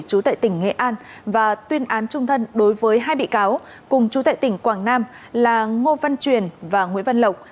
chú tại tỉnh nghệ an và tuyên án trung thân đối với hai bị cáo cùng chú tại tỉnh quảng nam là ngô văn truyền và nguyễn văn lộc